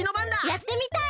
やってみたい！